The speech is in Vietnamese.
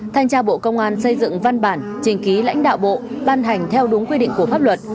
thanh tra bộ công an xây dựng văn bản trình ký lãnh đạo bộ ban hành theo đúng quy định của pháp luật